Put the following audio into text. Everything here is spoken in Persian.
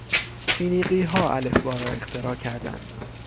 فینیقیها الفبا را اختراع کردند.